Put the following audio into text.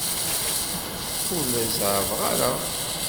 Ur la zeɛɛḍeɣ ara.